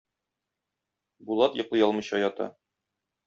Булат йоклый алмыйча ята.